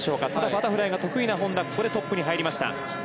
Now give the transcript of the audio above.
バタフライが得意な本多トップに入りました。